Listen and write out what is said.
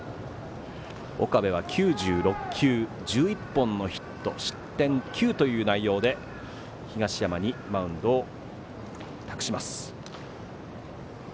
岡部は９６球１１本のヒット失点９という内容で東山にマウンドを託します。